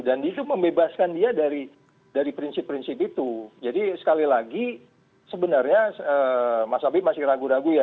dan itu membebaskan dia dari prinsip prinsip itu jadi sekali lagi sebenarnya mas abie masih ragu ragu ya